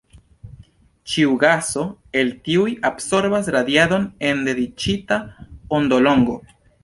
Ĉiu gaso el tiuj absorbas radiadon en dediĉita ondolongo.